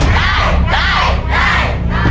ใช่ใช่ใช่